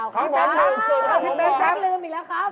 ขอบคุณครับพี่เบ๊กครับ